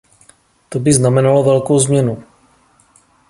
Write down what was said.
To by znamenalo velkou změnu.